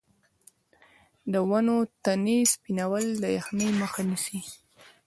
د ونو تنې سپینول د یخنۍ مخه نیسي؟